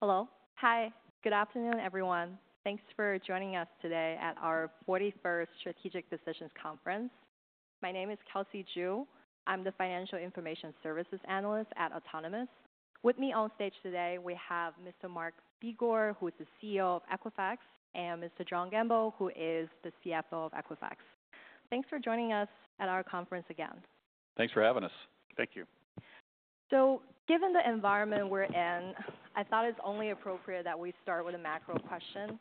Hello. Hi. Good afternoon, everyone. Thanks for joining us today at our 41st Strategic Decisions Conference. My name is Kelsey Zhu. I'm the Financial Information Services Analyst at Autonomous. With me on stage today, we have Mr. Mark Begor, who's the CEO of Equifax, and Mr. John Gamble, who is the CFO of Equifax. Thanks for joining us at our conference again. Thanks for having us. Thank you. Given the environment we're in, I thought it's only appropriate that we start with a macro question.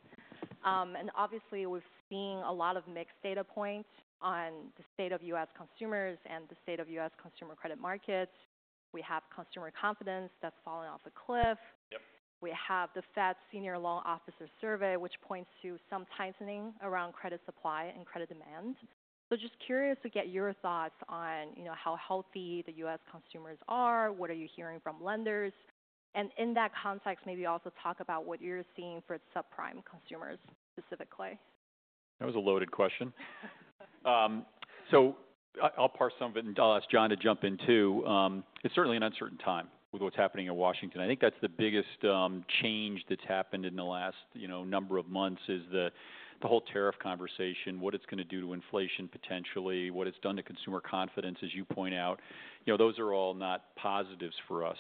Obviously, we've seen a lot of mixed data points on the state of U.S. consumers and the state of U.S. consumer credit markets. We have consumer confidence that's fallen off a cliff. Yep. We have the Fed Senior Loan Officer Survey, which points to some tightening around credit supply and credit demand. Just curious to get your thoughts on, you know, how healthy the U.S. consumers are, what are you hearing from lenders? In that context, maybe also talk about what you're seeing for its subprime consumers specifically. That was a loaded question. I'll parse some of it and I'll ask John to jump in too. It is certainly an uncertain time with what is happening in Washington. I think the biggest change that has happened in the last, you know, number of months is the whole tariff conversation, what it is going to do to inflation potentially, what it has done to consumer confidence, as you point out. You know, those are all not positives for us.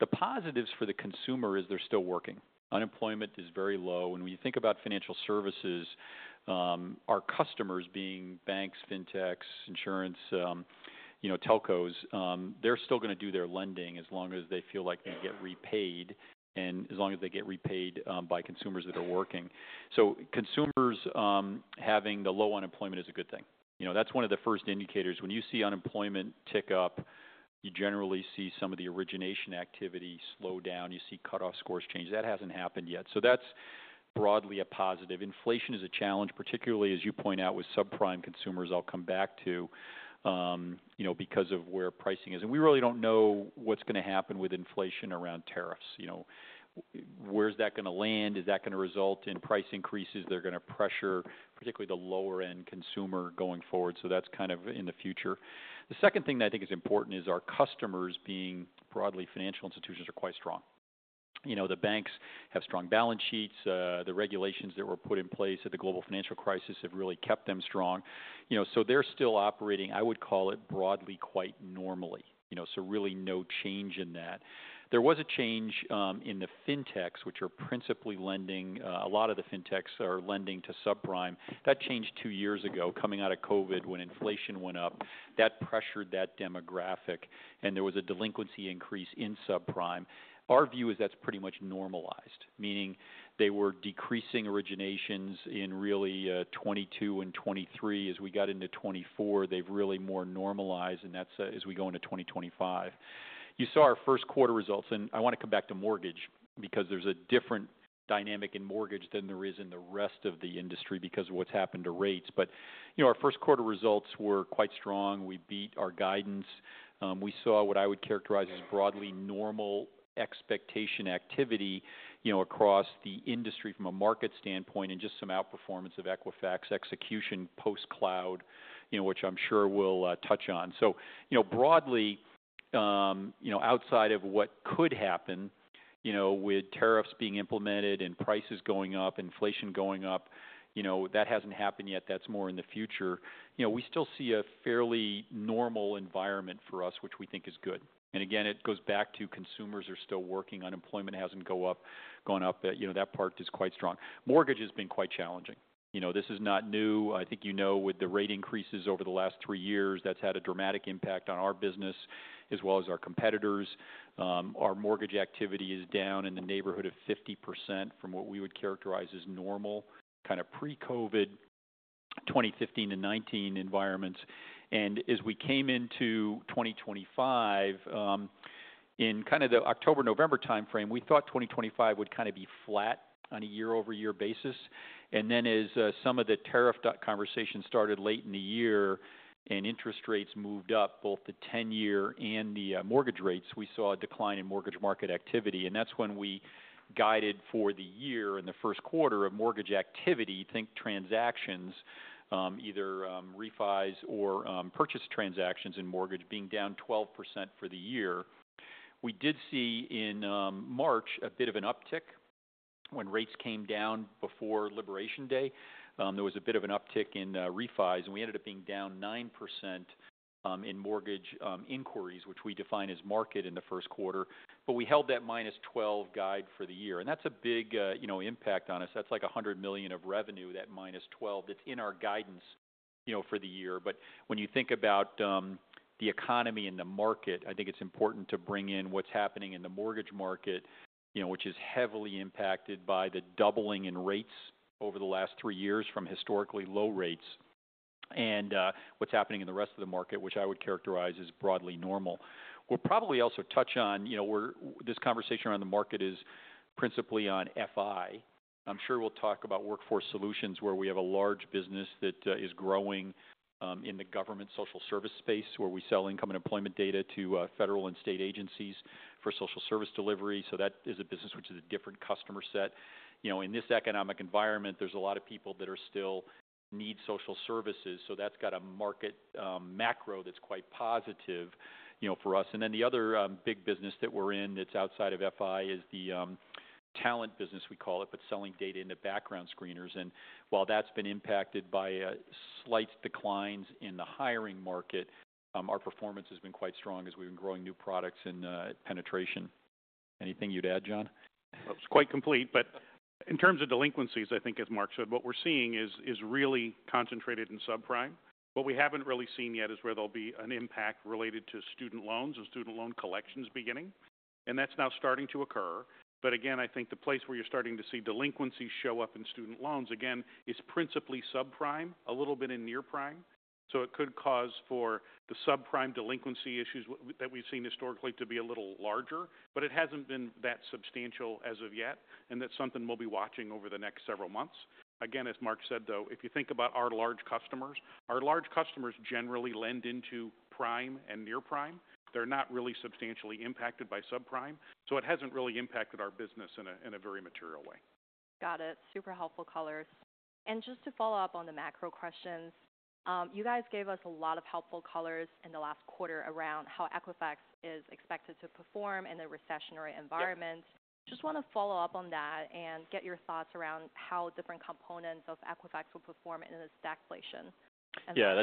The positives for the consumer are they are still working. Unemployment is very low. When you think about financial services, our customers, being banks, fintechs, insurance, you know, telcos, they are still going to do their lending as long as they feel like they get repaid and as long as they get repaid by consumers that are working. Consumers having the low unemployment is a good thing. You know, that's one of the first indicators. When you see unemployment tick up, you generally see some of the origination activity slow down. You see cut-off scores change. That hasn't happened yet. That's broadly a positive. Inflation is a challenge, particularly, as you point out, with subprime consumers. I'll come back to, you know, because of where pricing is. We really don't know what's going to happen with inflation around tariffs. You know, where's that going to land? Is that going to result in price increases? They're going to pressure particularly the lower-end consumer going forward. That's kind of in the future. The second thing that I think is important is our customers, being broadly financial institutions, are quite strong. You know, the banks have strong balance sheets. The regulations that were put in place at the global financial crisis have really kept them strong. You know, so they're still operating, I would call it, broadly quite normally. You know, so really no change in that. There was a change in the fintechs, which are principally lending. A lot of the fintechs are lending to subprime. That changed two years ago, coming out of COVID when inflation went up. That pressured that demographic, and there was a delinquency increase in subprime. Our view is that's pretty much normalized, meaning they were decreasing originations in really 2022 and 2023. As we got into 2024, they've really more normalized, and that's as we go into 2025. You saw our first quarter results, and I want to come back to mortgage because there's a different dynamic in mortgage than there is in the rest of the industry because of what's happened to rates. You know, our first quarter results were quite strong. We beat our guidance. We saw what I would characterize as broadly normal expectation activity, you know, across the industry from a market standpoint and just some outperformance of Equifax execution post-cloud, you know, which I'm sure we'll touch on. You know, broadly, you know, outside of what could happen, you know, with tariffs being implemented and prices going up, inflation going up, you know, that hasn't happened yet. That's more in the future. You know, we still see a fairly normal environment for us, which we think is good. It goes back to consumers are still working. Unemployment hasn't gone up. You know, that part is quite strong. Mortgage has been quite challenging. You know, this is not new. I think, you know, with the rate increases over the last three years, that's had a dramatic impact on our business as well as our competitors. Our mortgage activity is down in the neighborhood of 50% from what we would characterize as normal, kind of pre-COVID, 2015- 2019 environments. As we came into 2025, in kind of the October/November timeframe, we thought 2025 would kind of be flat on a year-over-year basis. As some of the tariff conversation started late in the year and interest rates moved up, both the 10-year and the mortgage rates, we saw a decline in mortgage market activity. That is when we guided for the year in the first quarter of mortgage activity, think transactions, either refi's or purchase transactions in mortgage, being down 12% for the year. We did see in March a bit of an uptick when rates came down before Liberation Day. There was a bit of an uptick in refi's, and we ended up being down 9% in mortgage inquiries, which we define as market in the first quarter. We held that -12 guide for the year. That is a big, you know, impact on us. That is like $100 million of revenue, that -12, that is in our guidance, you know, for the year. When you think about the economy and the market, I think it is important to bring in what is happening in the mortgage market, you know, which is heavily impacted by the doubling in rates over the last three years from historically low rates and what is happening in the rest of the market, which I would characterize as broadly normal. We will probably also touch on, you know, where this conversation around the market is principally on FI. I'm sure we'll talk about Workforce Solutions, where we have a large business that is growing in the government social service space, where we sell income and employment data to federal and state agencies for social service delivery. That is a business which is a different customer set. You know, in this economic environment, there's a lot of people that still need social services. That's got a market macro that's quite positive, you know, for us. The other big business that we're in that's outside of FI is the talent business, we call it, but selling data into background screeners. While that's been impacted by slight declines in the hiring market, our performance has been quite strong as we've been growing new products and penetration. Anything you'd add, John? It's quite complete. In terms of delinquencies, I think, as Mark said, what we're seeing is really concentrated in subprime. What we haven't really seen yet is where there will be an impact related to student loans and student loan collections beginning. That is now starting to occur. Again, I think the place where you're starting to see delinquencies show up in student loans is principally subprime, a little bit in near prime. It could cause the subprime delinquency issues that we've seen historically to be a little larger, but it hasn't been that substantial as of yet, and that's something we'll be watching over the next several months. Again, as Mark said, if you think about our large customers, our large customers generally lend into prime and near prime. They're not really substantially impacted by subprime. It hasn't really impacted our business in a very material way. Got it. Super helpful colors. Just to follow up on the macro questions, you guys gave us a lot of helpful colors in the last quarter around how Equifax is expected to perform in a recessionary environment. Just want to follow up on that and get your thoughts around how different components of Equifax will perform in a stagflation. Yeah,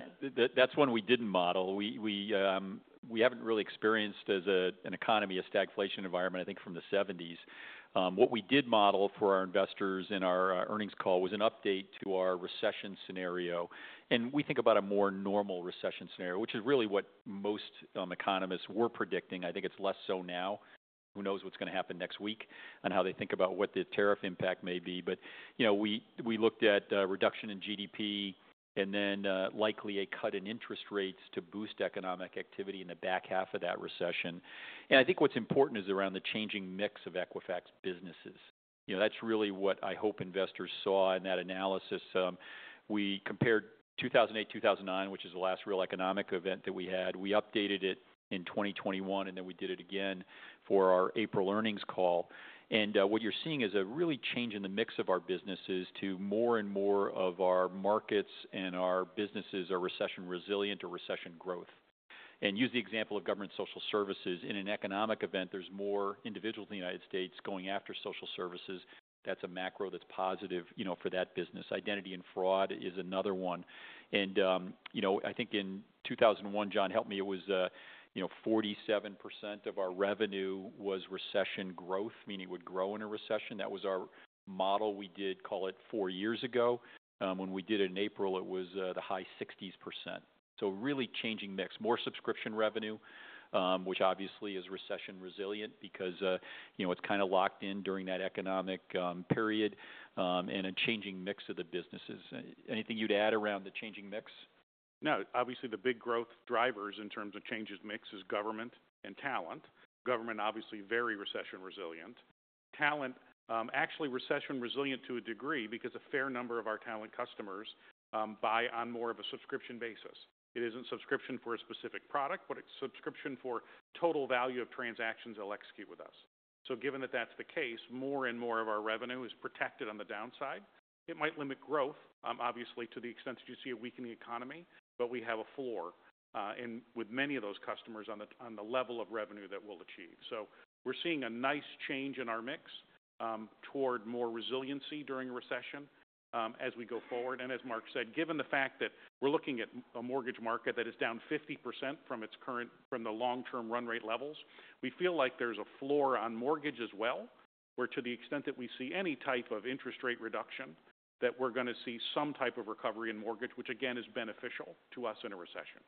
that's one we didn't model. We haven't really experienced, as an economy, a stagflation environment, I think, from the 1970s. What we did model for our investors in our earnings call was an update to our recession scenario. We think about a more normal recession scenario, which is really what most economists were predicting. I think it's less so now. Who knows what's going to happen next week on how they think about what the tariff impact may be. You know, we looked at a reduction in GDP and then likely a cut in interest rates to boost economic activity in the back half of that recession. I think what's important is around the changing mix of Equifax businesses. You know, that's really what I hope investors saw in that analysis. We compared 2008, 2009, which is the last real economic event that we had. We updated it in 2021, and then we did it again for our April earnings call. What you're seeing is a real change in the mix of our businesses to more and more of our markets and our businesses are recession resilient to recession growth. Use the example of government social services. In an economic event, there are more individuals in the U.S. going after social services. That's a macro that's positive, you know, for that business. Identity and fraud is another one. You know, I think in 2001, John, help me, it was, you know, 47% of our revenue was recession growth, meaning it would grow in a recession. That was our model. We did call it four years ago. When we did it in April, it was the high 60%. Really changing mix, more subscription revenue, which obviously is recession resilient because, you know, it's kind of locked in during that economic period and a changing mix of the businesses. Anything you'd add around the changing mix? No. Obviously, the big growth drivers in terms of change of mix is government and talent. Government, obviously, very recession resilient. Talent, actually recession resilient to a degree because a fair number of our talent customers buy on more of a subscription basis. It isn't subscription for a specific product, but it's subscription for total value of transactions they'll execute with us. Given that that's the case, more and more of our revenue is protected on the downside. It might limit growth, obviously, to the extent that you see a weakening economy, but we have a floor with many of those customers on the level of revenue that we'll achieve. We're seeing a nice change in our mix toward more resiliency during a recession as we go forward. As Mark said, given the fact that we're looking at a mortgage market that is down 50% from its current, from the long-term run rate levels, we feel like there's a floor on mortgage as well, where to the extent that we see any type of interest rate reduction, that we're going to see some type of recovery in mortgage, which again is beneficial to us in a recession.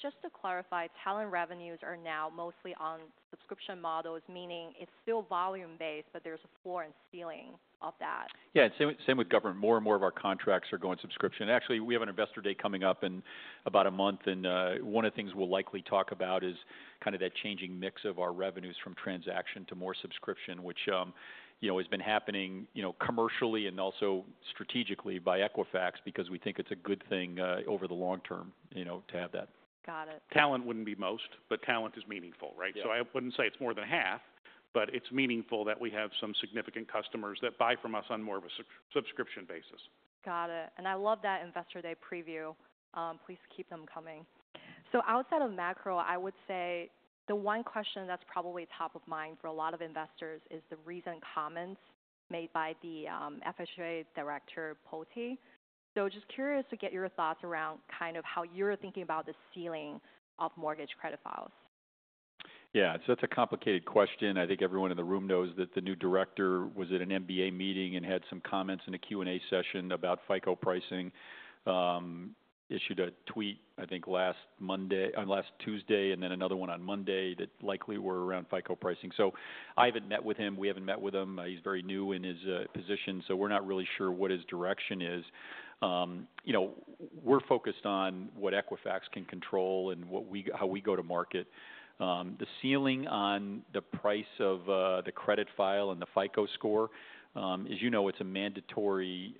Just to clarify, talent revenues are now mostly on subscription models, meaning it's still volume-based, but there's a floor and ceiling of that. Yeah, and same with government. More and more of our contracts are going subscription. Actually, we have an Investor Day coming up in about a month, and one of the things we'll likely talk about is kind of that changing mix of our revenues from transaction to more subscription, which, you know, has been happening, you know, commercially and also strategically by Equifax because we think it's a good thing over the long term, you know, to have that. Got it. Talent would not be most, but talent is meaningful, right? I would not say it is more than half, but it is meaningful that we have some significant customers that buy from us on more of a subscription basis. Got it. I love that Investor Day preview. Please keep them coming. Outside of macro, I would say the one question that's probably top of mind for a lot of investors is the recent comments made by the FHA director, Ploti. Just curious to get your thoughts around kind of how you're thinking about the ceiling of mortgage credit files. Yeah, so that's a complicated question. I think everyone in the room knows that the new director was at an MBA meeting and had some comments in a Q&A session about FICO pricing, issued a tweet, I think, last Monday, last Tuesday, and then another one on Monday that likely were around FICO pricing. So I haven't met with him. We haven't met with him. He's very new in his position, so we're not really sure what his direction is. You know, we're focused on what Equifax can control and how we go to market. The ceiling on the price of the credit file and the FICO score, as you know, it's mandatory,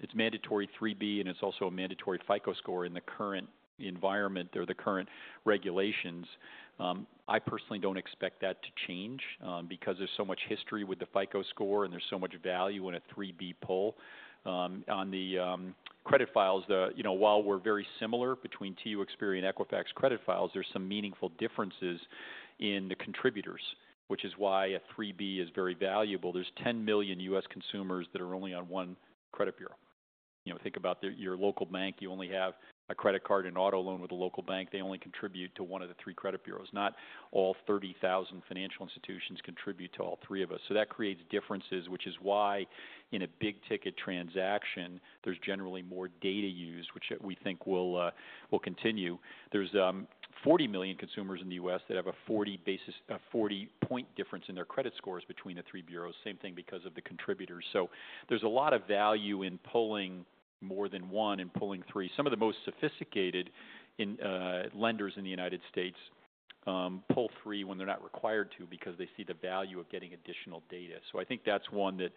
it's mandatory 3B, and it's also a mandatory FICO score in the current environment or the current regulations. I personally don't expect that to change because there's so much history with the FICO Score and there's so much value in a 3B pull. On the credit files, you know, while we're very similar between TU, Experian, and Equifax credit files, there's some meaningful differences in the contributors, which is why a 3B is very valuable. There's 10 million U.S. consumers that are only on one credit bureau. You know, think about your local bank. You only have a credit card, an auto loan with a local bank. They only contribute to one of the three credit bureaus. Not all 30,000 financial institutions contribute to all three of us. That creates differences, which is why in a big-ticket transaction, there's generally more data used, which we think will continue. There's 40 million consumers in the U.S. that have a 40-point difference in their credit scores between the three bureaus, same thing because of the contributors. There is a lot of value in pulling more than one and pulling three. Some of the most sophisticated lenders in the U.S. pull three when they are not required to because they see the value of getting additional data. I think that is one that,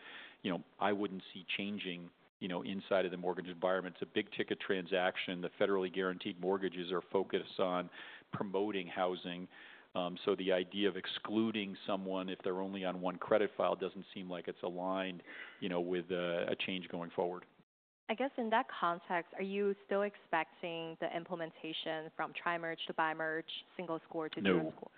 you know, I would not see changing, you know, inside of the mortgage environment. It is a big-ticket transaction. The federally guaranteed mortgages are focused on promoting housing. The idea of excluding someone if they are only on one credit file does not seem like it is aligned, you know, with a change going forward. I guess in that context, are you still expecting the implementation from tri-merge to bi-merge, single score to dual score?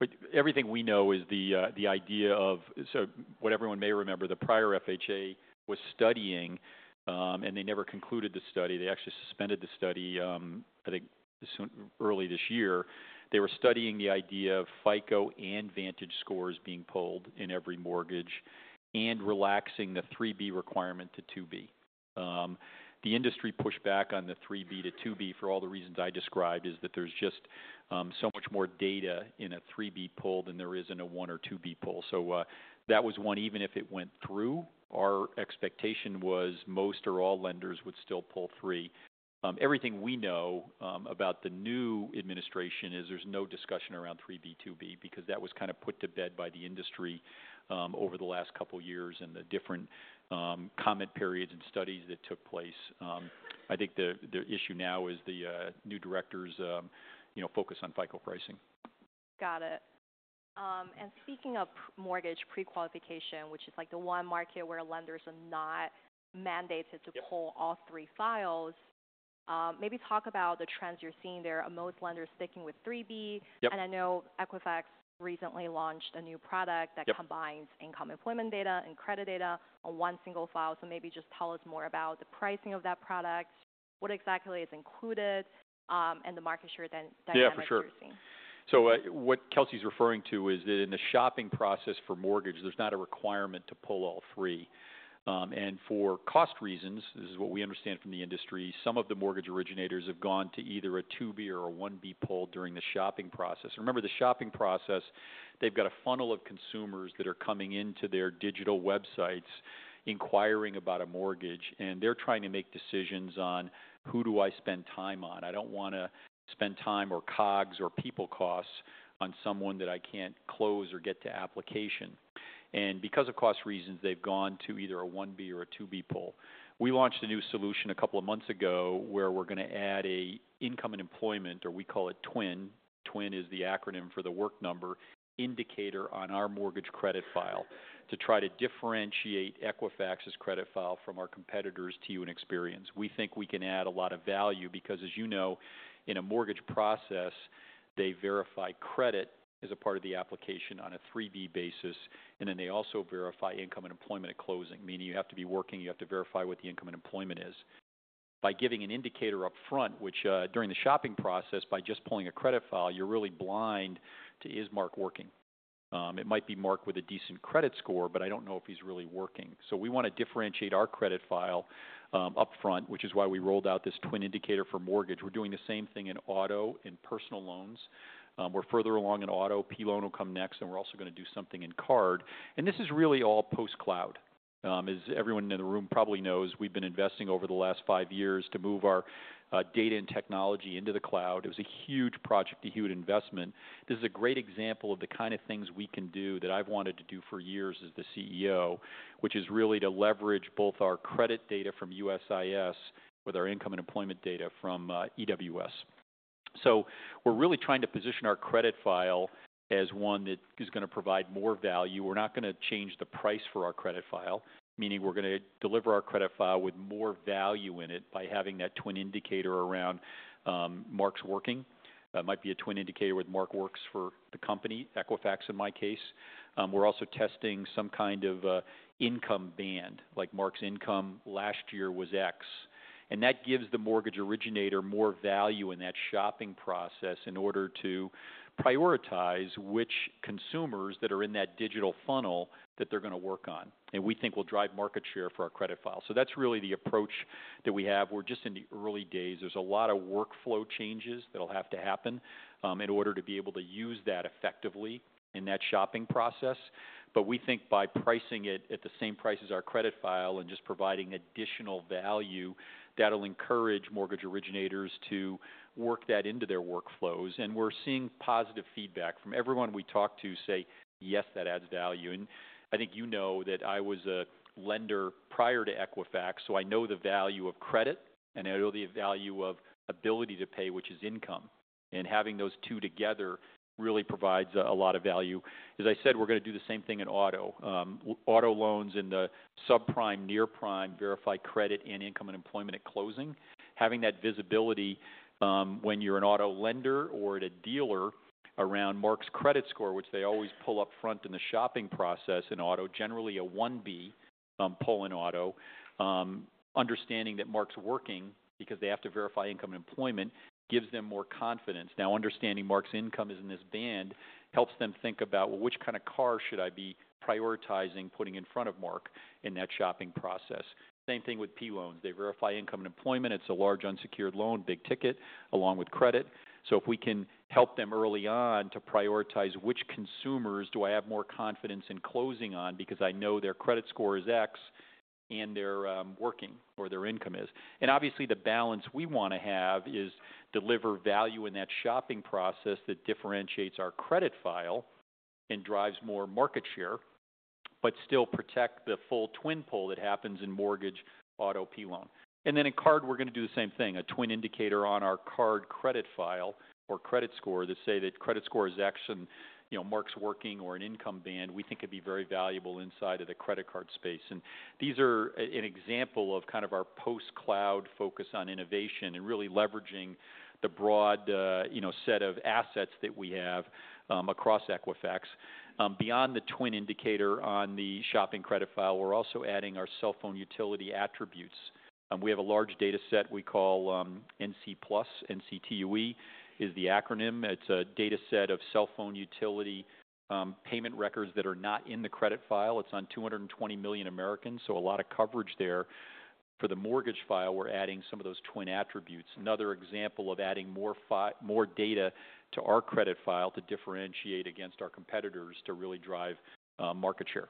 No. Everything we know is the idea of, so what everyone may remember, the prior FHA was studying, and they never concluded the study. They actually suspended the study, I think, early this year. They were studying the idea of FICO and VantageScore being pulled in every mortgage and relaxing the 3B requirement-2B. The industry pushback on the 3B-2B for all the reasons I described is that there's just so much more data in a 3B pull than there is in a 1B or 2B pull. That was one. Even if it went through, our expectation was most or all lenders would still pull three. Everything we know about the new administration is there's no discussion around 3B, 2B because that was kind of put to bed by the industry over the last couple of years and the different comment periods and studies that took place. I think the issue now is the new director's, you know, focus on FICO pricing. Got it. Speaking of mortgage pre-qualification, which is like the one market where lenders are not mandated to pull all three files, maybe talk about the trends you're seeing there. Most lenders sticking with 3B. I know Equifax recently launched a new product that combines income employment data and credit data on one single file. Maybe just tell us more about the pricing of that product, what exactly is included, and the market share dynamics you're seeing. Yeah, for sure. What Kelsey's referring to is that in the shopping process for mortgage, there's not a requirement to pull all three. For cost reasons, this is what we understand from the industry, some of the mortgage originators have gone to either a 2B or a 1B pull during the shopping process. Remember, the shopping process, they've got a funnel of consumers that are coming into their digital websites inquiring about a mortgage, and they're trying to make decisions on who do I spend time on. I don't want to spend time or COGS or people costs on someone that I can't close or get to application. Because of cost reasons, they've gone to either a 1B or a 2B pull. We launched a new solution a couple of months ago where we're going to add an income and employment, or we call it TWIN. TWIN is the acronym for The Work Number indicator on our mortgage credit file to try to differentiate Equifax's credit file from our competitors, TU and Experian's. We think we can add a lot of value because, as you know, in a mortgage process, they verify credit as a part of the application on a 3B basis, and then they also verify income and employment at closing, meaning you have to be working, you have to verify what the income and employment is. By giving an indicator upfront, which during the shopping process, by just pulling a credit file, you're really blind to, is Mark working? It might be Mark with a decent credit score, but I don't know if he's really working. We want to differentiate our credit file upfront, which is why we rolled out this TWIN indicator for mortgage. We're doing the same thing in auto and personal loans. We're further along in auto. PLONs will come next, and we're also going to do something in card. This is really all post-cloud. As everyone in the room probably knows, we've been investing over the last five years to move our data and technology into the cloud. It was a huge project to Hewitt Investment. This is a great example of the kind of things we can do that I've wanted to do for years as the CEO, which is really to leverage both our credit data from USIS with our income and employment data from EWS. We're really trying to position our credit file as one that is going to provide more value. We're not going to change the price for our credit file, meaning we're going to deliver our credit file with more value in it by having that TWIN indicator around Mark's working. It might be a TWIN indicator with Mark works for the company, Equifax in my case. We're also testing some kind of income band, like Mark's income last year was X. That gives the mortgage originator more value in that shopping process in order to prioritize which consumers that are in that digital funnel that they're going to work on. We think will drive market share for our credit file. That's really the approach that we have. We're just in the early days. There's a lot of workflow changes that will have to happen in order to be able to use that effectively in that shopping process. We think by pricing it at the same price as our credit file and just providing additional value, that'll encourage mortgage originators to work that into their workflows. We're seeing positive feedback from everyone we talk to say, yes, that adds value. I think you know that I was a lender prior to Equifax, so I know the value of credit and I know the value of ability to pay, which is income. Having those two together really provides a lot of value. As I said, we're going to do the same thing in auto. Auto loans in the subprime, near prime, verify credit and income and employment at closing. Having that visibility when you're an auto lender or at a dealer around Mark's credit score, which they always pull upfront in the shopping process in auto, generally a 1B pull in auto, understanding that Mark's working because they have to verify income and employment gives them more confidence. Now, understanding Mark's income is in this band helps them think about, well, which kind of car should I be prioritizing putting in front of Mark in that shopping process? Same thing with PLONs. They verify income and employment. It's a large unsecured loan, big ticket along with credit. If we can help them early on to prioritize which consumers do I have more confidence in closing on because I know their credit score is X and they're working or their income is. Obviously, the balance we want to have is deliver value in that shopping process that differentiates our credit file and drives more market share, but still protect the full TWIN pull that happens in mortgage, auto-P1. In card, we're going to do the same thing. A TWIN indicator on our card credit file or credit score that says that credit score is X and, you know, Mark's working or an income band, we think it'd be very valuable inside of the credit card space. These are an example of kind of our post-cloud focus on innovation and really leveraging the broad, you know, set of assets that we have across Equifax. Beyond the TWIN indicator on the shopping credit file, we're also adding our cell phone utility attributes. We have a large data set we call NC Plus. NCTUE is the acronym. It's a data set of cell phone utility payment records that are not in the credit file. It's on 220 million Americans, so a lot of coverage there. For the mortgage file, we're adding some of those TWIN attributes. Another example of adding more data to our credit file to differentiate against our competitors to really drive market share.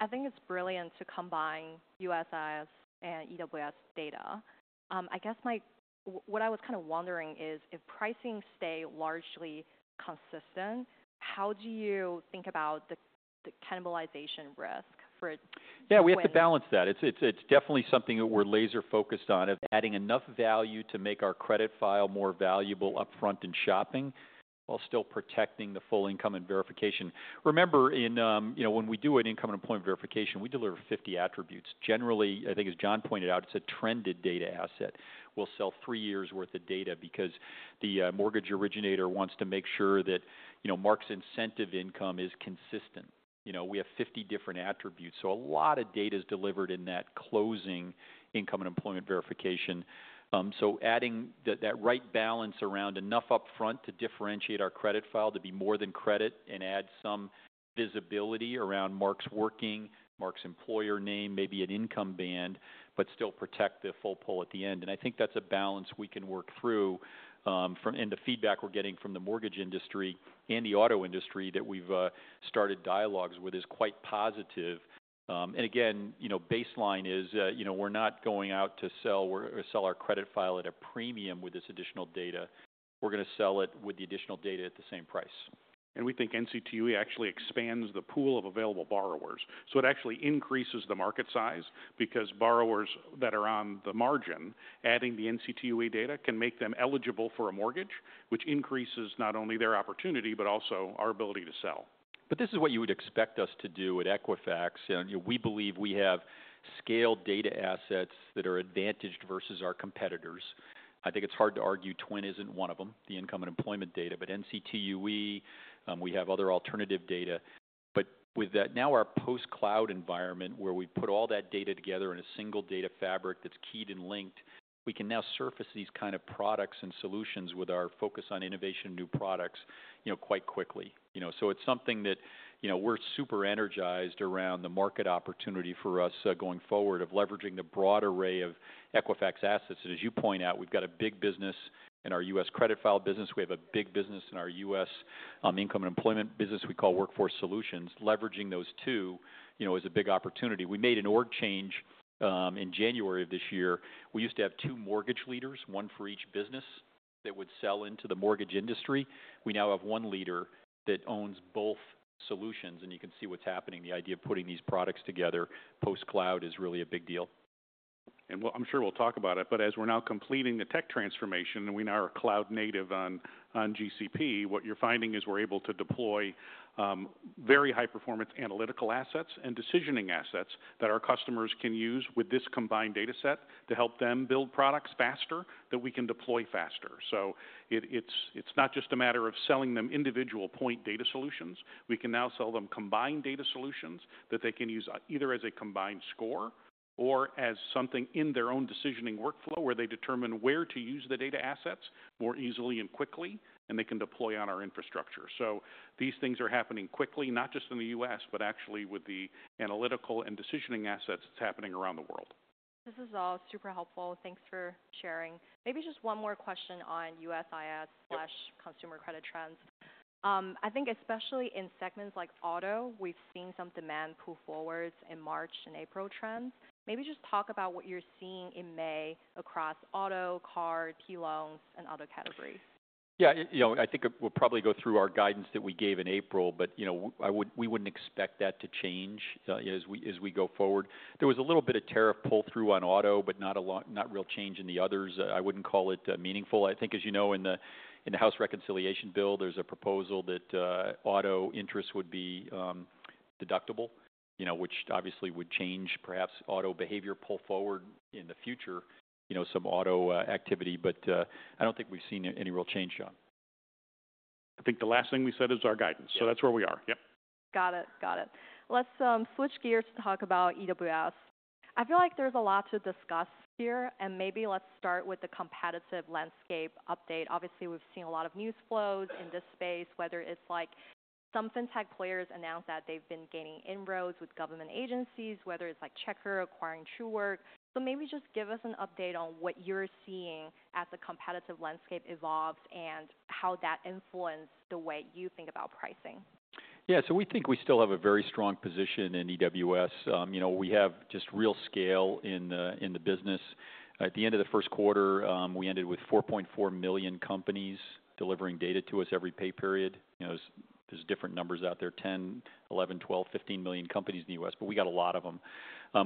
I think it's brilliant to combine USIS and EWS data. I guess my what I was kind of wondering is if pricing stays largely consistent, how do you think about the cannibalization risk for? Yeah, we have to balance that. It's definitely something that we're laser-focused on of adding enough value to make our credit file more valuable upfront in shopping while still protecting the full income and verification. Remember, in, you know, when we do an income and employment verification, we deliver 50 attributes. Generally, I think as John pointed out, it's a trended data asset. We'll sell three years' worth of data because the mortgage originator wants to make sure that, you know, Mark's incentive income is consistent. You know, we have 50 different attributes. So a lot of data is delivered in that closing income and employment verification. Adding that right balance around enough upfront to differentiate our credit file to be more than credit and add some visibility around Mark's working, Mark's employer name, maybe an income band, but still protect the full pull at the end. I think that's a balance we can work through. The feedback we're getting from the mortgage industry and the auto industry that we've started dialogues with is quite positive. Again, you know, baseline is, you know, we're not going out to sell or sell our credit file at a premium with this additional data. We're going to sell it with the additional data at the same price. We think NCTUE actually expands the pool of available borrowers. It actually increases the market size because borrowers that are on the margin, adding the NCTUE data can make them eligible for a mortgage, which increases not only their opportunity, but also our ability to sell. This is what you would expect us to do at Equifax. We believe we have scaled data assets that are advantaged versus our competitors. I think it's hard to argue TWIN isn't one of them, the income and employment data, but NCTUE, we have other alternative data. With that, now our post-cloud environment where we've put all that data together in a single data fabric that's keyed and linked, we can now surface these kind of products and solutions with our focus on innovation and new products, you know, quite quickly. You know, so it's something that, you know, we're super energized around the market opportunity for us going forward of leveraging the broad array of Equifax assets. As you point out, we've got a big business in our U.S. credit file business. We have a big business in our U.S. income and employment business we call Workforce Solutions. Leveraging those two, you know, is a big opportunity. We made an org change in January of this year. We used to have two mortgage leaders, one for each business that would sell into the mortgage industry. We now have one leader that owns both solutions. You can see what's happening. The idea of putting these products together post-cloud is really a big deal. I'm sure we'll talk about it, but as we're now completing the tech transformation and we now are cloud-native on GCP, what you're finding is we're able to deploy very high-performance analytical assets and decisioning assets that our customers can use with this combined data set to help them build products faster that we can deploy faster. It's not just a matter of selling them individual point data solutions. We can now sell them combined data solutions that they can use either as a combined score or as something in their own decisioning workflow where they determine where to use the data assets more easily and quickly, and they can deploy on our infrastructure. These things are happening quickly, not just in the U.S., but actually with the analytical and decisioning assets that's happening around the world. This is all super helpful. Thanks for sharing. Maybe just one more question on USIS/consumer credit trends. I think especially in segments like auto, we've seen some demand pull forwards in March and April trends. Maybe just talk about what you're seeing in May across auto, car, PLONs, and other categories. Yeah, you know, I think we'll probably go through our guidance that we gave in April, but, you know, we wouldn't expect that to change as we go forward. There was a little bit of tariff pull-through on auto, but not a real change in the others. I wouldn't call it meaningful. I think, as you know, in the House reconciliation bill, there's a proposal that auto interest would be deductible, you know, which obviously would change perhaps auto behavior pull forward in the future, you know, some auto activity. I don't think we've seen any real change, John. I think the last thing we said is our guidance. So that's where we are. Yep. Got it. Got it. Let's switch gears to talk about EWS. I feel like there's a lot to discuss here, and maybe let's start with the competitive landscape update. Obviously, we've seen a lot of news flows in this space, whether it's like some fintech players announced that they've been gaining inroads with government agencies, whether it's like Checkr acquiring Truework. So maybe just give us an update on what you're seeing as the competitive landscape evolves and how that influences the way you think about pricing. Yeah, so we think we still have a very strong position in EWS. You know, we have just real scale in the business. At the end of the first quarter, we ended with 4.4 million companies delivering data to us every pay period. You know, there's different numbers out there, 10, 11, 12, 15 million companies in the U.S., but we got a lot of them.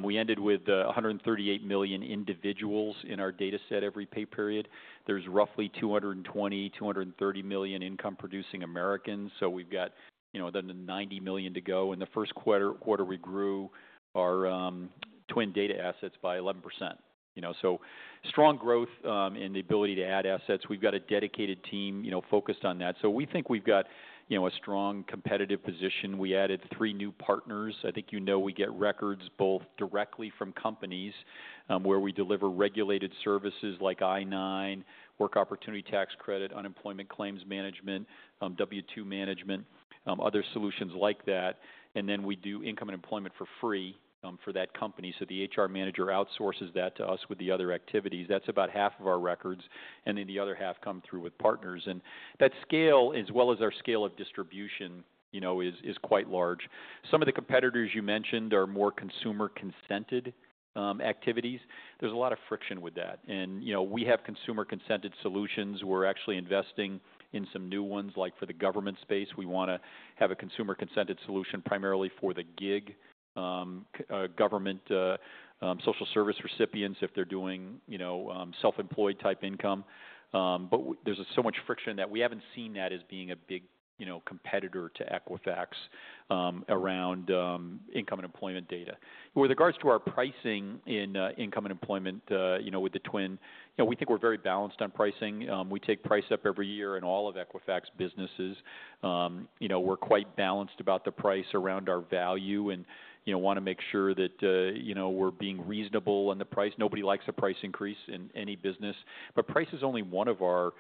We ended with 138 million individuals in our data set every pay period. There's roughly 220-230 million income-producing Americans. So we've got, you know, then 90 million to go. In the first quarter, we grew our TWIN data assets by 11%. You know, so strong growth in the ability to add assets. We've got a dedicated team, you know, focused on that. So we think we've got, you know, a strong competitive position. We added three new partners. I think, you know, we get records both directly from companies where we deliver regulated services like I-9, work opportunity tax credit, unemployment claims management, W-2 management, other solutions like that. Then we do income and employment for free for that company. The HR manager outsources that to us with the other activities. That's about half of our records. The other half come through with partners. That scale, as well as our scale of distribution, you know, is quite large. Some of the competitors you mentioned are more consumer-consented activities. There's a lot of friction with that. You know, we have consumer-consented solutions. We're actually investing in some new ones. For the government space, we want to have a consumer-consented solution primarily for the gig government social service recipients if they're doing, you know, self-employed type income. There is so much friction that we have not seen that as being a big, you know, competitor to Equifax around income and employment data. With regards to our pricing in income and employment, you know, with the TWIN, you know, we think we are very balanced on pricing. We take price up every year in all of Equifax businesses. You know, we are quite balanced about the price around our value and, you know, want to make sure that, you know, we are being reasonable on the price. Nobody likes a price increase in any business. Price is only one of our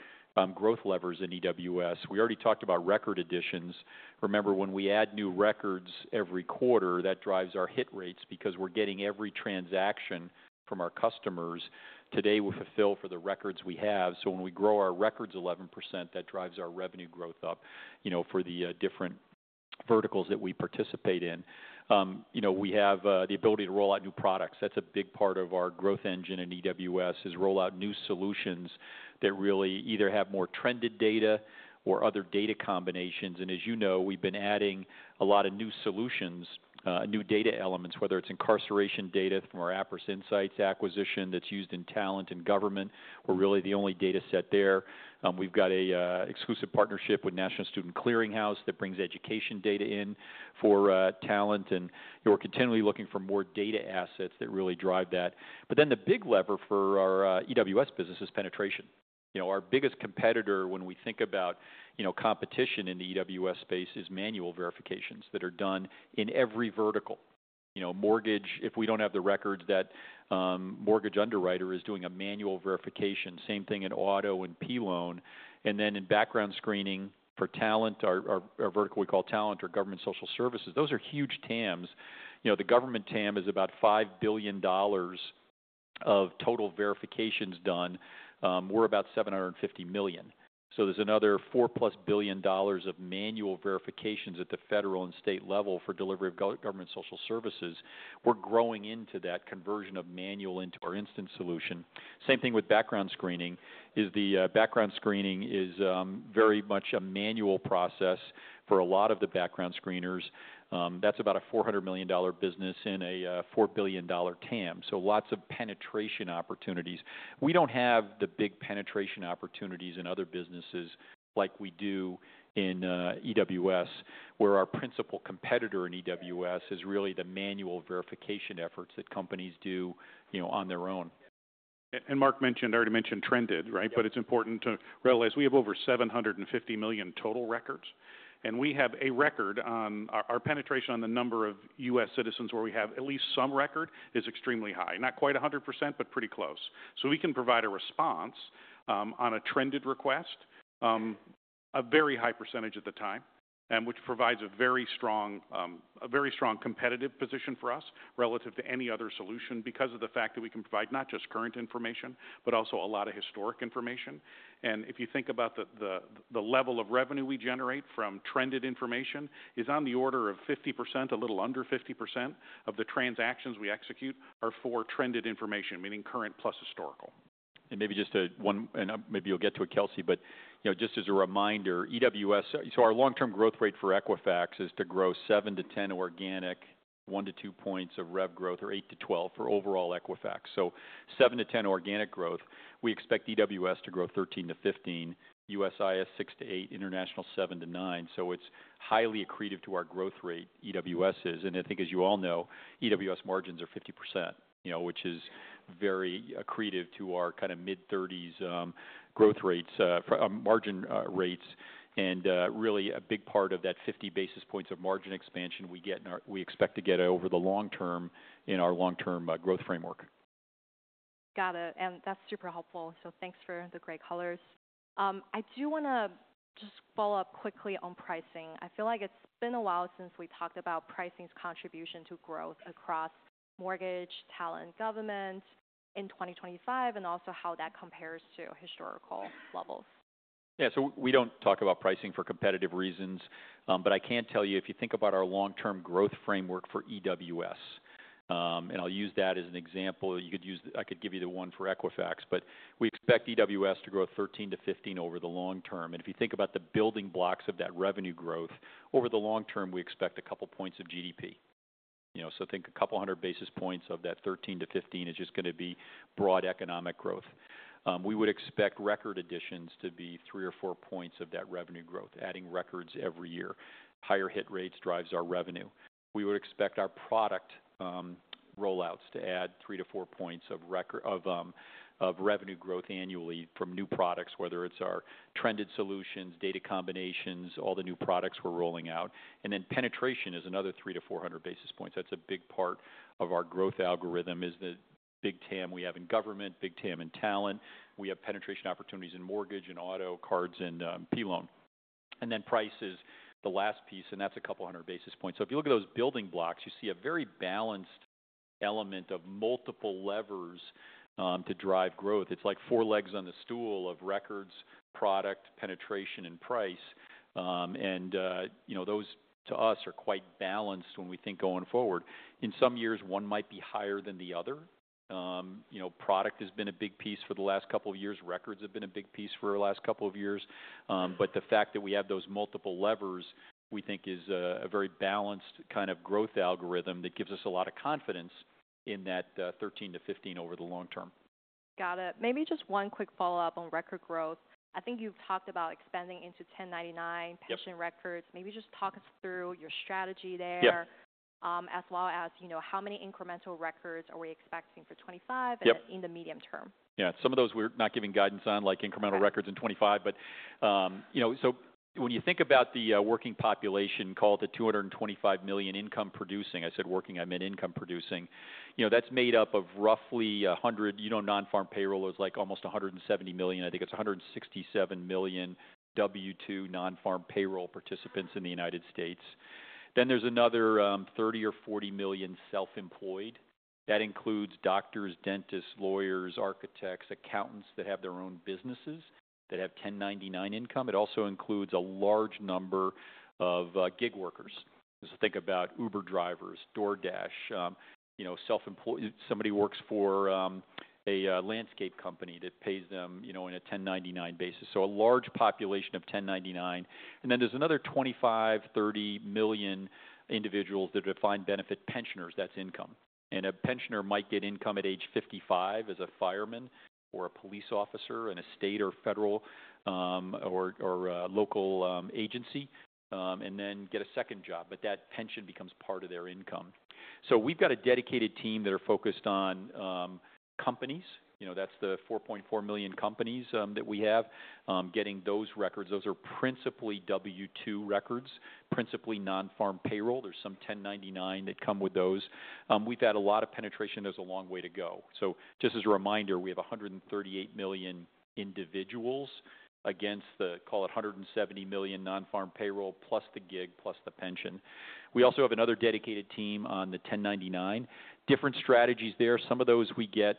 growth levers in EWS. We already talked about record additions. Remember, when we add new records every quarter, that drives our hit rates because we are getting every transaction from our customers. Today, we fulfill for the records we have. When we grow our records 11%, that drives our revenue growth up, you know, for the different verticals that we participate in. You know, we have the ability to roll out new products. That is a big part of our growth engine in EWS is roll out new solutions that really either have more trended data or other data combinations. As you know, we have been adding a lot of new solutions, new data elements, whether it is incarceration data from our Appriss Insights acquisition that is used in talent and government. We are really the only data set there. We have got an exclusive partnership with National Student Clearinghouse that brings education data in for talent. We are continually looking for more data assets that really drive that. The big lever for our EWS business is penetration. You know, our biggest competitor when we think about, you know, competition in the EWS space is manual verifications that are done in every vertical. You know, mortgage, if we do not have the records, that mortgage underwriter is doing a manual verification. Same thing in auto and PLON. In background screening for talent, our vertical we call talent or government social services. Those are huge TAMs. You know, the government TAM is about $5 billion of total verifications done. We are about $750 million. There is another $4 billion-plus of manual verifications at the federal and state level for delivery of government social services. We are growing into that conversion of manual into our instant solution. Same thing with background screening. The background screening is very much a manual process for a lot of the background screeners. That is about a $400 million business in a $4 billion TAM. Lots of penetration opportunities. We do not have the big penetration opportunities in other businesses like we do in EWS, where our principal competitor in EWS is really the manual verification efforts that companies do, you know, on their own. Mark already mentioned trended, right? It is important to realize we have over 750 million total records. We have a record on our penetration on the number of U.S. citizens where we have at least some record, and it is extremely high. Not quite 100%, but pretty close. We can provide a response on a trended request a very high percentage of the time, which provides a very strong, a very strong competitive position for us relative to any other solution because of the fact that we can provide not just current information, but also a lot of historic information. If you think about the level of revenue we generate from trended information, it is on the order of 50%, a little under 50% of the transactions we execute are for trended information, meaning current plus historical. Maybe just a one, and maybe you'll get to it, Kelsey, but, you know, just as a reminder, EWS, so our long-term growth rate for Equifax is to grow 7%-10% organic, 1-2 points of rev growth, or 8%-12% for overall Equifax. 7%-10% organic growth. We expect EWS to grow 13%-15%, USIS 6%-8%, international 7%-9%. It is highly accretive to our growth rate, EWS is. I think, as you all know, EWS margins are 50%, you know, which is very accretive to our kind of mid-30s growth rates, margin rates. Really a big part of that 50 basis points of margin expansion we get, we expect to get over the long term in our long-term growth framework. Got it. That's super helpful. Thanks for the great colors. I do want to just follow up quickly on pricing. I feel like it's been a while since we talked about pricing's contribution to growth across mortgage, talent, government in 2025, and also how that compares to historical levels. Yeah, so we do not talk about pricing for competitive reasons. But I can tell you, if you think about our long-term growth framework for EWS, and I will use that as an example. You could use, I could give you the one for Equifax, but we expect EWS to grow 13%-15% over the long term. And if you think about the building blocks of that revenue growth, over the long term, we expect a couple points of GDP. You know, so think a couple hundred basis points of that 13%-15% is just going to be broad economic growth. We would expect record additions to be three or four points of that revenue growth, adding records every year. Higher hit rates drive our revenue. We would expect our product rollouts to add three to four points of revenue growth annually from new products, whether it's our trended solutions, data combinations, all the new products we're rolling out. Then penetration is another three to four hundred basis points. That's a big part of our growth algorithm is the big TAM we have in government, big TAM in talent. We have penetration opportunities in mortgage and auto, cards, and PLON. Price is the last piece, and that's a couple hundred basis points. If you look at those building blocks, you see a very balanced element of multiple levers to drive growth. It's like four legs on the stool of records, product, penetration, and price. You know, those to us are quite balanced when we think going forward. In some years, one might be higher than the other. You know, product has been a big piece for the last couple of years. Records have been a big piece for the last couple of years. The fact that we have those multiple levers, we think is a very balanced kind of growth algorithm that gives us a lot of confidence in that 13%-15% over the long term. Got it. Maybe just one quick follow-up on record growth. I think you've talked about expanding into 1099 pension records. Maybe just talk us through your strategy there, as well as, you know, how many incremental records are we expecting for 2025 and in the medium term? Yeah, some of those we're not giving guidance on, like incremental records in 2025. But, you know, when you think about the working population, call it the 225 million income producing, I said working, I meant income producing, you know, that's made up of roughly 100, you know, non-farm payroll, there's like almost 170 million. I think it's 167 million W-2 non-farm payroll participants in the U.S. Then there's another 30-40 million self-employed. That includes doctors, dentists, lawyers, architects, accountants that have their own businesses that have 1099 income. It also includes a large number of gig workers. So think about Uber drivers, DoorDash, you know, self-employed, somebody who works for a landscape company that pays them, you know, on a 1099 basis. So a large population of 1099. And then there's another 25-30 million individuals that are defined benefit pensioners. That's income. A pensioner might get income at age 55 as a fireman or a police officer in a state or federal or local agency, and then get a second job. That pension becomes part of their income. We have a dedicated team that are focused on companies. You know, that's the 4.4 million companies that we have. Getting those records, those are principally W-2 records, principally non-farm payroll. There's some 1099 that come with those. We've had a lot of penetration. There's a long way to go. Just as a reminder, we have 138 million individuals against the, call it 170 million non-farm payroll plus the gig plus the pension. We also have another dedicated team on the 1099. Different strategies there. Some of those we get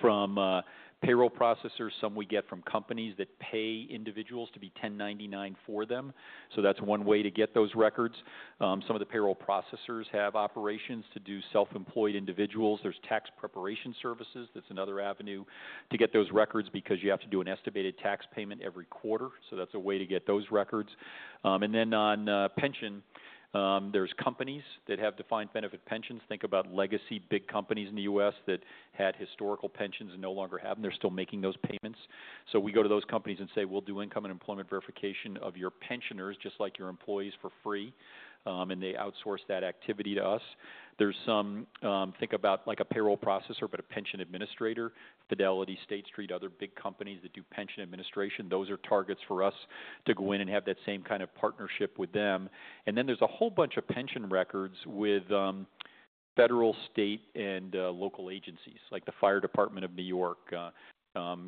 from payroll processors. Some we get from companies that pay individuals to be 1099 for them. That's one way to get those records. Some of the payroll processors have operations to do self-employed individuals. There's tax preparation services. That's another avenue to get those records because you have to do an estimated tax payment every quarter. That's a way to get those records. On pension, there's companies that have defined benefit pensions. Think about legacy big companies in the U.S. that had historical pensions and no longer have. They're still making those payments. We go to those companies and say, we'll do income and employment verification of your pensioners, just like your employees, for free. They outsource that activity to us. Think about like a payroll processor, but a pension administrator, Fidelity, State Street, other big companies that do pension administration. Those are targets for us to go in and have that same kind of partnership with them. There is a whole bunch of pension records with federal, state, and local agencies, like the Fire Department of New York,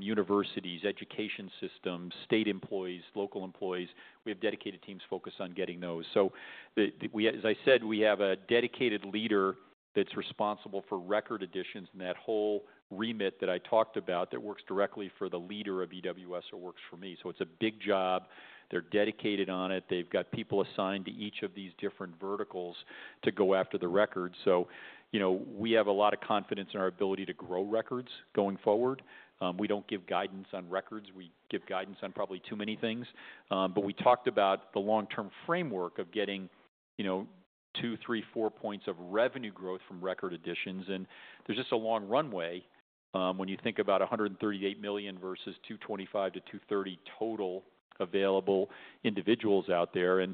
universities, education systems, state employees, local employees. We have dedicated teams focused on getting those. As I said, we have a dedicated leader that's responsible for record additions and that whole remit that I talked about that works directly for the leader of EWS or works for me. It is a big job. They are dedicated on it. They have people assigned to each of these different verticals to go after the records. You know, we have a lot of confidence in our ability to grow records going forward. We do not give guidance on records. We give guidance on probably too many things. We talked about the long-term framework of getting, you know, two, three, four points of revenue growth from record additions. There is just a long runway when you think about 138 million versus 225 million-230 million total available individuals out there. As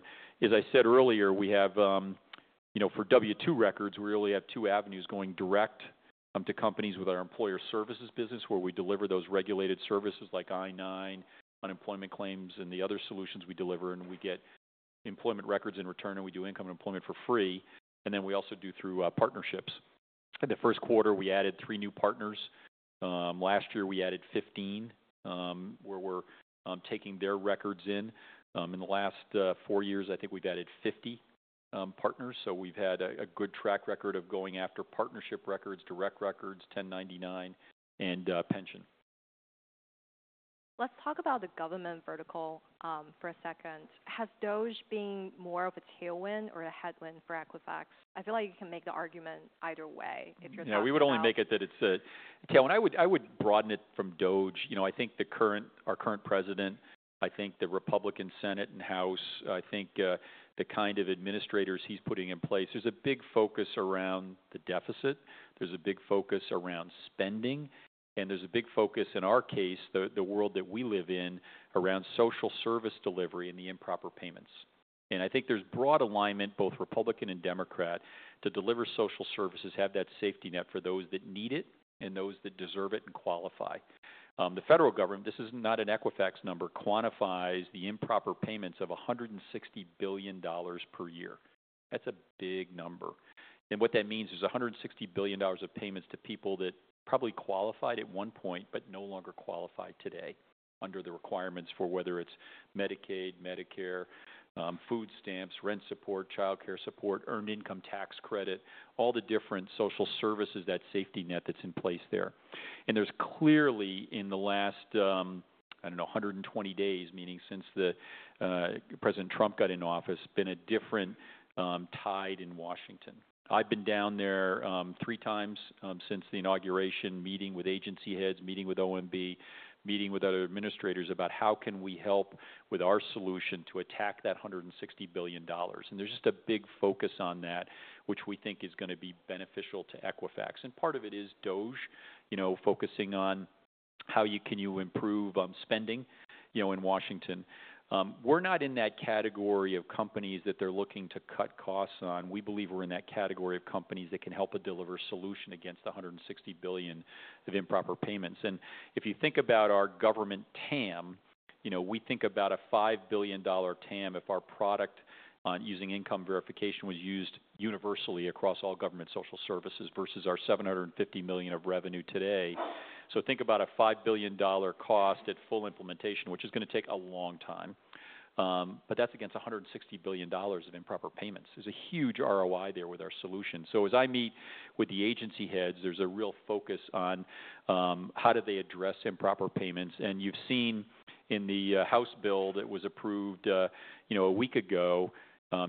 I said earlier, we have, you know, for W-2 records, we really have two avenues: going direct to companies with our employer services business, where we deliver those regulated services like I-9, unemployment claims, and the other solutions we deliver. We get employment records in return, and we do income and employment for free. We also do through partnerships. In the first quarter, we added three new partners. Last year, we added 15, where we are taking their records in. In the last four years, I think we have added 50 partners. We have had a good track record of going after partnership records, direct records, 1099, and pension. Let's talk about the government vertical for a second. Has DOGE been more of a tailwind or a headwind for Equifax? I feel like you can make the argument either way if you're not. Yeah, we would only make it that it's a tail. I would broaden it from DOGE. You know, I think the current, our current president, I think the Republican Senate and House, I think the kind of administrators he's putting in place, there's a big focus around the deficit. There's a big focus around spending. There's a big focus in our case, the world that we live in, around social service delivery and the improper payments. I think there's broad alignment, both Republican and Democrat, to deliver social services, have that safety net for those that need it and those that deserve it and qualify. The federal government, this is not an Equifax number, quantifies the improper payments of $160 billion per year. That's a big number. What that means is $160 billion of payments to people that probably qualified at one point, but no longer qualify today under the requirements for whether it is Medicaid, Medicare, food stamps, rent support, childcare support, earned income tax credit, all the different social services, that safety net that is in place there. There is clearly in the last, I do not know, 120 days, meaning since President Trump got into office, been a different tide in Washington. I have been down there three times since the inauguration, meeting with agency heads, meeting with OMB, meeting with other administrators about how can we help with our solution to attack that $160 billion. There is just a big focus on that, which we think is going to be beneficial to Equifax. Part of it is, you know, focusing on how can you improve spending, you know, in Washington. We're not in that category of companies that they're looking to cut costs on. We believe we're in that category of companies that can help deliver a solution against the $160 billion of improper payments. If you think about our government TAM, you know, we think about a $5 billion TAM if our product using income verification was used universally across all government social services versus our $750 million of revenue today. Think about a $5 billion cost at full implementation, which is going to take a long time. That is against $160 billion of improper payments. There's a huge ROI there with our solution. As I meet with the agency heads, there's a real focus on how do they address improper payments. You've seen in the House bill that was approved, you know, a week ago,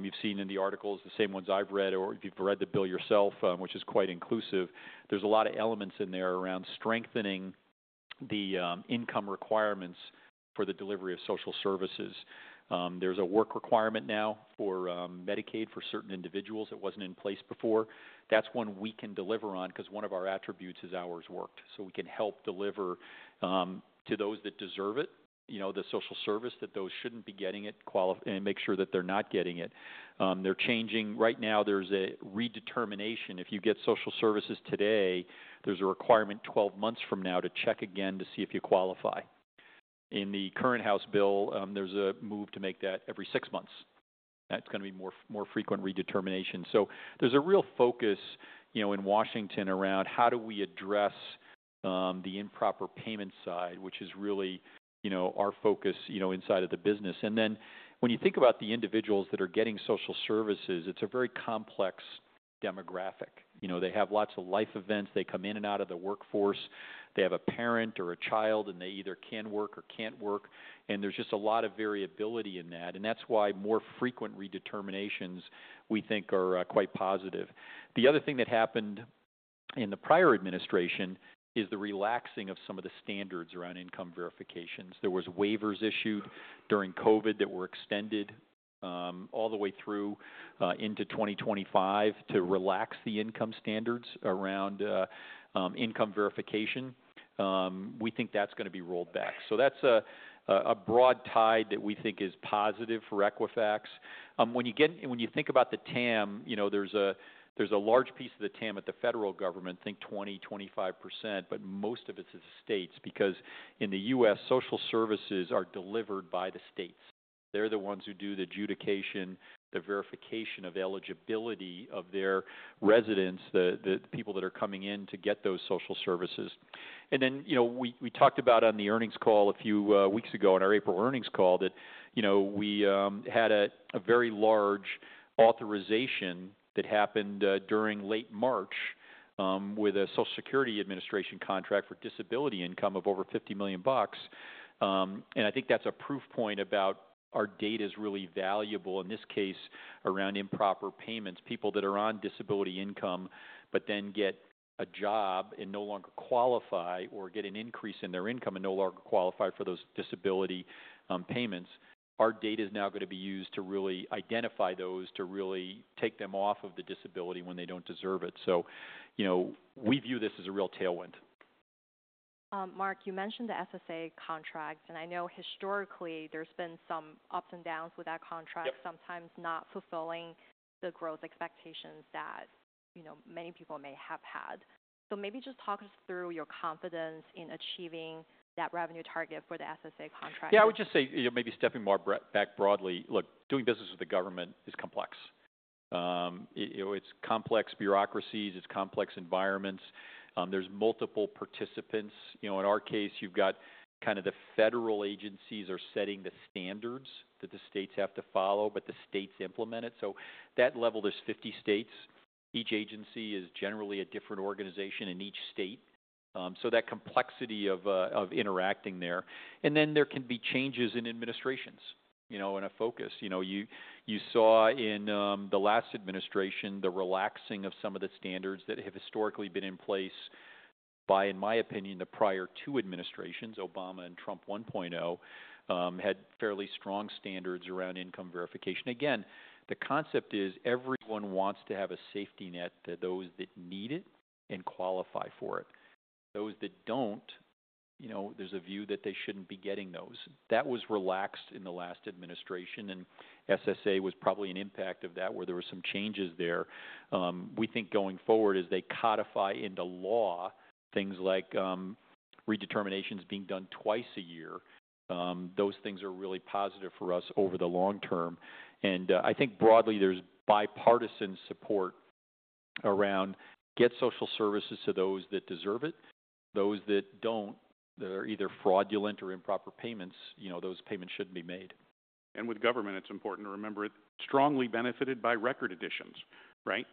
you've seen in the articles, the same ones I've read, or if you've read the bill yourself, which is quite inclusive, there's a lot of elements in there around strengthening the income requirements for the delivery of social services. There's a work requirement now for Medicaid for certain individuals that wasn't in place before. That's one we can deliver on because one of our attributes is ours worked. So we can help deliver to those that deserve it, you know, the social service that those shouldn't be getting it, and make sure that they're not getting it. They're changing. Right now, there's a redetermination. If you get social services today, there's a requirement 12 months from now to check again to see if you qualify. In the current House bill, there's a move to make that every six months. That is going to be more frequent redetermination. There is a real focus, you know, in Washington around how do we address the improper payment side, which is really, you know, our focus, you know, inside of the business. When you think about the individuals that are getting social services, it is a very complex demographic. You know, they have lots of life events. They come in and out of the workforce. They have a parent or a child, and they either can work or cannot work. There is just a lot of variability in that. That is why more frequent redeterminations we think are quite positive. The other thing that happened in the prior administration is the relaxing of some of the standards around income verifications. There were waivers issued during COVID that were extended all the way through into 2025 to relax the income standards around income verification. We think that's going to be rolled back. That's a broad tide that we think is positive for Equifax. When you think about the TAM, you know, there's a large piece of the TAM at the federal government, think 20-25%, but most of it is the states because in the U.S., social services are delivered by the states. They're the ones who do the adjudication, the verification of eligibility of their residents, the people that are coming in to get those social services. You know, we talked about on the earnings call a few weeks ago on our April earnings call that, you know, we had a very large authorization that happened during late March with a Social Security Administration contract for disability income of over $50 million. I think that's a proof point about our data is really valuable in this case around improper payments, people that are on disability income, but then get a job and no longer qualify or get an increase in their income and no longer qualify for those disability payments. Our data is now going to be used to really identify those, to really take them off of the disability when they do not deserve it. You know, we view this as a real tailwind. Mark, you mentioned the SSA contract. I know historically there's been some ups and downs with that contract, sometimes not fulfilling the growth expectations that, you know, many people may have had. Maybe just talk us through your confidence in achieving that revenue target for the SSA contract. Yeah, I would just say, you know, maybe stepping more back broadly, look, doing business with the government is complex. It's complex bureaucracies, it's complex environments. There's multiple participants. You know, in our case, you've got kind of the federal agencies are setting the standards that the states have to follow, but the states implement it. At that level, there's 50 states. Each agency is generally a different organization in each state. That complexity of interacting there. Then there can be changes in administrations, you know, and a focus. You know, you saw in the last administration the relaxing of some of the standards that have historically been in place by, in my opinion, the prior two administrations, Obama and Trump 1.0, had fairly strong standards around income verification. Again, the concept is everyone wants to have a safety net that those that need it and qualify for it. Those that do not, you know, there is a view that they should not be getting those. That was relaxed in the last administration. SSA was probably an impact of that where there were some changes there. We think going forward as they codify into law, things like redeterminations being done twice a year, those things are really positive for us over the long term. I think broadly there is bipartisan support around get social services to those that deserve it. Those that do not, that are either fraudulent or improper payments, you know, those payments should not be made. With government, it's important to remember it's strongly benefited by record additions, right?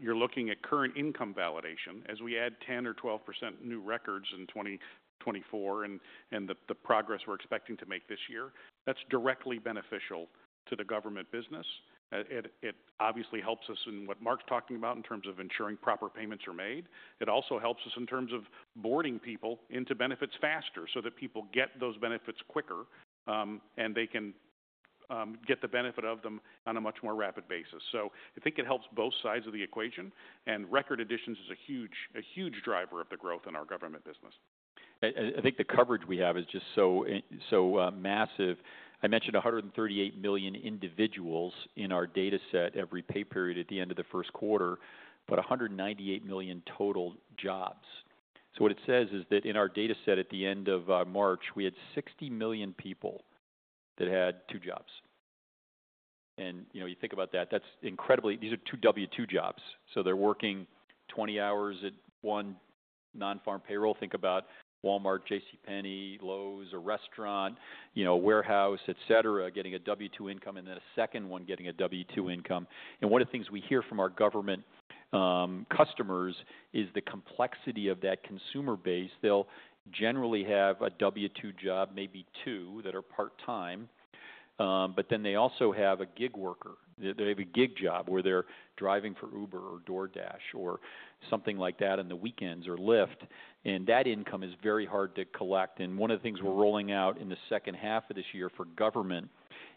You're looking at current income validation. As we add 10% or 12% new records in 2024 and the progress we're expecting to make this year, that's directly beneficial to the government business. It obviously helps us in what Mark's talking about in terms of ensuring proper payments are made. It also helps us in terms of boarding people into benefits faster so that people get those benefits quicker and they can get the benefit of them on a much more rapid basis. I think it helps both sides of the equation. Record additions is a huge, a huge driver of the growth in our government business. I think the coverage we have is just so massive. I mentioned 138 million individuals in our data set every pay period at the end of the first quarter, but 198 million total jobs. What it says is that in our data set at the end of March, we had 60 million people that had two jobs. You know, you think about that, that's incredibly, these are two W-2 jobs. They're working 20 hours at one non-farm payroll. Think about Walmart, JCPenney, Lowe's, a restaurant, you know, a warehouse, et cetera, getting a W-2 income and then a second one getting a W-2 income. One of the things we hear from our government customers is the complexity of that consumer base. They'll generally have a W-2 job, maybe two, that are part-time. They also have a gig worker. They have a gig job where they're driving for Uber or DoorDash or something like that on the weekends or Lyft. That income is very hard to collect. One of the things we're rolling out in the second half of this year for government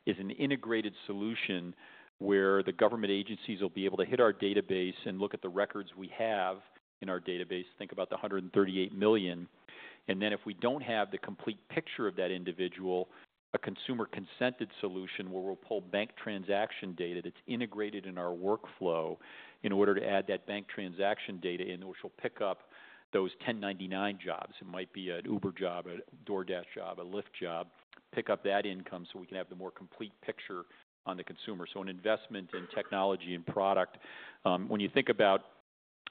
is an integrated solution where the government agencies will be able to hit our database and look at the records we have in our database, think about the 138 million. If we do not have the complete picture of that individual, a consumer consented solution where we'll pull bank transaction data that's integrated in our workflow in order to add that bank transaction data in, which will pick up those 1099 jobs. It might be an Uber job, a DoorDash job, a Lyft job, pick up that income so we can have the more complete picture on the consumer. An investment in technology and product. When you think about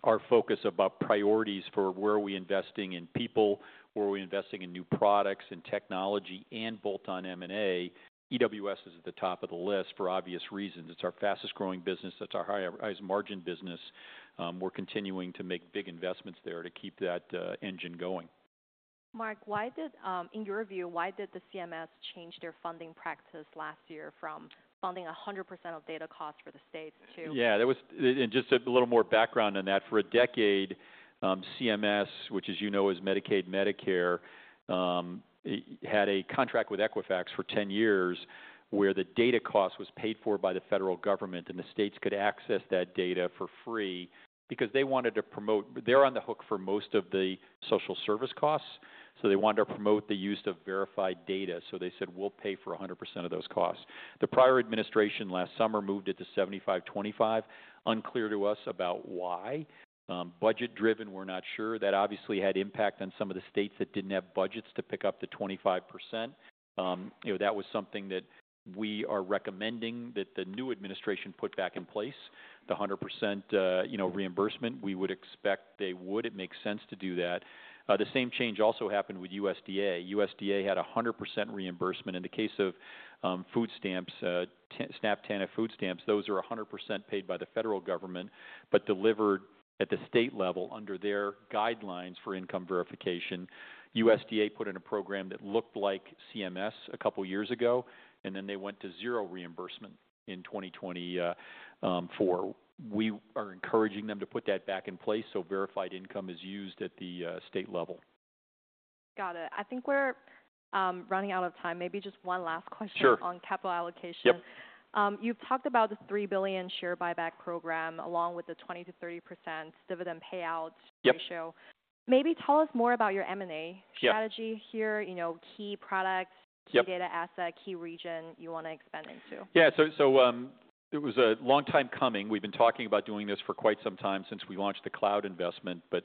our focus about priorities for where are we investing in people, where are we investing in new products and technology and bolt-on M&A, EWS is at the top of the list for obvious reasons. It's our fastest growing business. It's our highest margin business. We're continuing to make big investments there to keep that engine going. Mark, why did, in your view, why did the CMS change their funding practice last year from funding 100% of data costs for the states to? Yeah, that was, and just a little more background on that. For a decade, CMS, which as you know is Medicaid, Medicare, had a contract with Equifax for 10 years where the data cost was paid for by the federal government and the states could access that data for free because they wanted to promote, they're on the hook for most of the social service costs. They wanted to promote the use of verified data. They said, we'll pay for 100% of those costs. The prior administration last summer moved it to 75%/25%. Unclear to us about why. Budget driven, we're not sure. That obviously had impact on some of the states that didn't have budgets to pick up the 25%. You know, that was something that we are recommending that the new administration put back in place, the 100%, you know, reimbursement. We would expect they would. It makes sense to do that. The same change also happened with USDA. USDA had 100% reimbursement. In the case of food stamps, SNAP, TANF, food stamps, those are 100% paid by the federal government, but delivered at the state level under their guidelines for income verification. USDA put in a program that looked like CMS a couple of years ago, and then they went to zero reimbursement in 2024. We are encouraging them to put that back in place. Verified income is used at the state level. Got it. I think we're running out of time. Maybe just one last question on capital allocation. Sure. You've talked about the $3 billion share buyback program along with the 20%-30% dividend payout ratio. Maybe tell us more about your M&A strategy here, you know, key product, key data asset, key region you want to expand into. Yeah. It was a long time coming. We've been talking about doing this for quite some time since we launched the cloud investment, but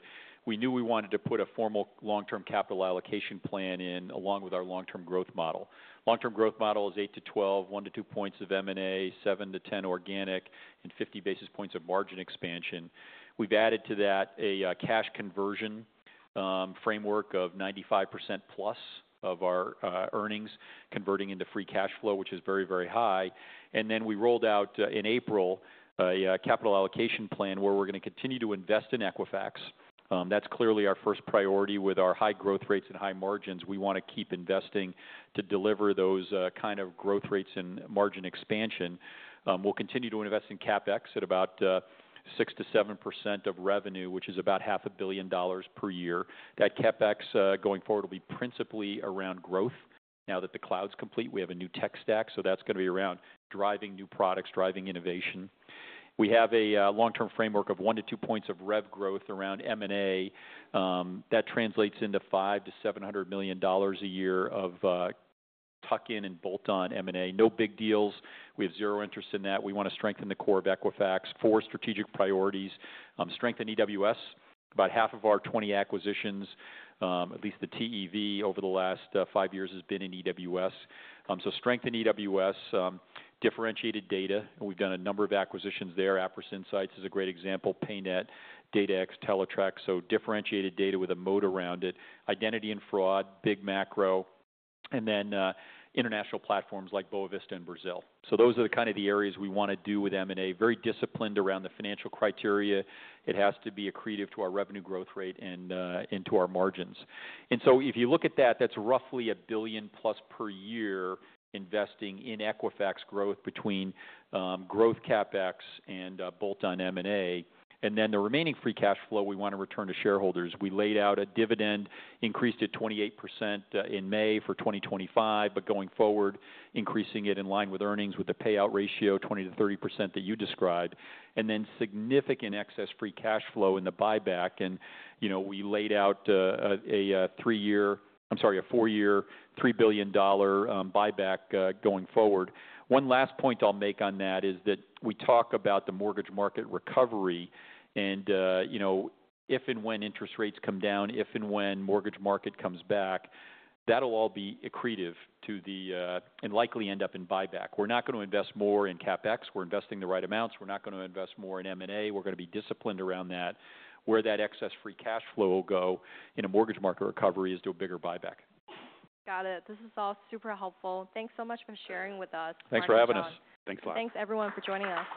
we knew we wanted to put a formal long-term capital allocation plan in along with our long-term growth model. Long-term growth model is 8%-12%, 1-2 points of M&A, 7%-10% organic, and 50 basis points of margin expansion. We've added to that a cash conversion framework of 95% plus of our earnings converting into free cash flow, which is very, very high. Then we rolled out in April a capital allocation plan where we're going to continue to invest in Equifax. That's clearly our first priority with our high growth rates and high margins. We want to keep investing to deliver those kind of growth rates and margin expansion. We'll continue to invest in CapEx at about 6%-7% of revenue, which is about $500,000,000 per year. That CapEx going forward will be principally around growth. Now that the cloud's complete, we have a new tech stack. That's going to be around driving new products, driving innovation. We have a long-term framework of 1-2 points of rev growth around M&A. That translates into $500,000,000-$700,000,000 a year of tuck-in and bolt-on M&A. No big deals. We have zero interest in that. We want to strengthen the core of Equifax. Four strategic priorities. Strengthen EWS. About half of our 20 acquisitions, at least the TEV over the last five years has been in EWS. Strengthen EWS. Differentiated data. We've done a number of acquisitions there. Appriss Insights is a great example. PayNet, DataX, Teletrack. Differentiated data with a moat around it. Identity and fraud, big macro. International platforms like Boavista and Brazil. Those are the kind of the areas we want to do with M&A. Very disciplined around the financial criteria. It has to be accretive to our revenue growth rate and into our margins. If you look at that, that's roughly $1 billion plus per year investing in Equifax growth between growth CapEx and bolt-on M&A. The remaining free cash flow we want to return to shareholders. We laid out a dividend, increased it 28% in May for 2025, but going forward, increasing it in line with earnings with the payout ratio 20-30% that you described. Significant excess free cash flow in the buyback. You know, we laid out a four-year, $3 billion buyback going forward. One last point I'll make on that is that we talk about the mortgage market recovery and, you know, if and when interest rates come down, if and when mortgage market comes back, that'll all be accretive to the and likely end up in buyback. We're not going to invest more in CapEx. We're investing the right amounts. We're not going to invest more in M&A. We're going to be disciplined around that. Where that excess free cash flow will go in a mortgage market recovery is to a bigger buyback. Got it. This is all super helpful. Thanks so much for sharing with us. Thanks for having us. Thanks a lot. Thanks everyone for joining us.